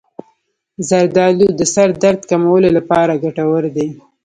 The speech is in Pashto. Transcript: زردآلو د سر درد کمولو لپاره ګټور دي.